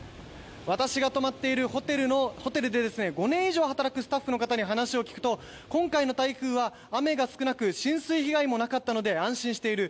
私が泊まっているホテルで５年以上働くスタッフの方に話を聞くと今回は雨が少なく浸水被害もなく安心している。